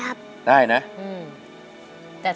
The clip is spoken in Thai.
ร้องได้ไข่ล้าง